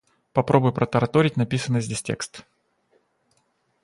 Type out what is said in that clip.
Попробуй протараторить написанный здесь текст.